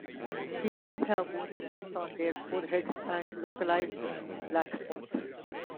Females have bony lumps on their foreheads and localized black spots.